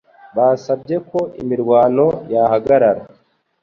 Basabye ko imirwano yahagarara.